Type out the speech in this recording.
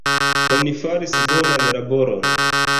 Oni faris bonan laboron.